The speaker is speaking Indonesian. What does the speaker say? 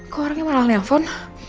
kok orangnya malah nelfon